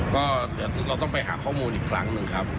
ก็เดี๋ยวเราต้องไปหาข้อมูลอีกครั้งหนึ่งครับ